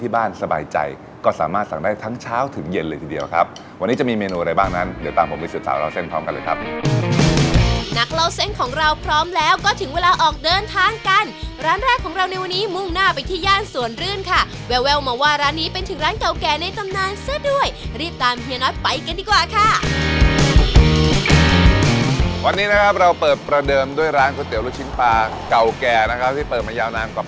บ้านสบายใจก็สามารถสั่งได้ทั้งเช้าถึงเย็นเลยทีเดียวครับวันนี้จะมีเมนูอะไรบ้างนั้นเดี๋ยวตามผมไปสินสารเล่าเส้นพร้อมกันเลยครับนักเล่าเส้นของเราพร้อมแล้วก็ถึงเวลาออกเดินทางกันร้านแรกของเราในวันนี้มุ่งหน้าไปที่ย่านสวนรื่นค่ะแววมาว่าร้านนี้เป็นถึงร้านเก่าแก่ในตำนานซะด้วยรีบตามเฮียน้อย